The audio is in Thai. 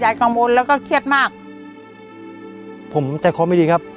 กังวลแล้วก็เครียดมากผมใจคอไม่ดีครับ